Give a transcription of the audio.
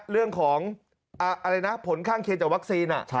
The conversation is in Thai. เรื่องของอะไรนะผลข้างเคียงจากวัคซีน